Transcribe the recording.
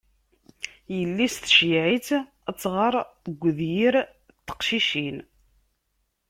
Yelli-s tceyyeɛ-itt ad tɣer deg udyir n teqcicin.